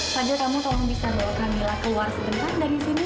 fadil kamu tolong bisa bawa kamil keluar sebentar dari sini